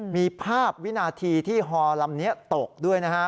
มีภาพวินาทีที่ฮอลำนี้ตกด้วยนะฮะ